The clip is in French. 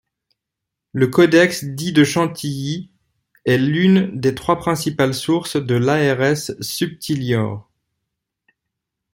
Le Codex dit de Chantilly est l'une des trois principales sources de l'ars subtilior.